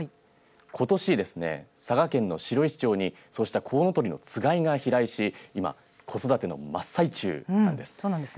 ことしですね、佐賀県の白石町にそうしたこうのとりのつがいが飛来し今子育ての真っ最中なんです。